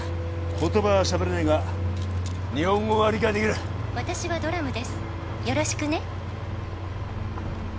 言葉はしゃべれねえが日本語が理解できる「私はドラムですよろしくね」